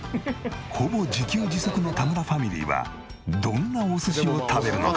ほぼ自給自足の田村ファミリーはどんなお寿司を食べるのか？